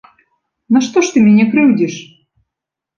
Нашто ж ты мяне крыўдзіш?